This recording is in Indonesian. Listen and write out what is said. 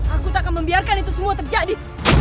aku tak akan membiarkan itu semua terjadi